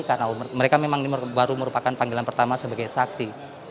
karena mereka memang baru merupakan panggilan pertama sebagai saksi